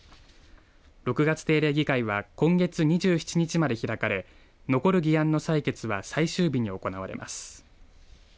６月定例議会は今月２７日まで開かれ残る議案の採決は最終日に行われます。